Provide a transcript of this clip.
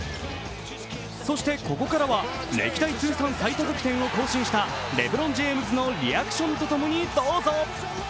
そしてここからは歴代通算最多得点を更新したレブロン・ジェームズのリアクションと共にどうぞ。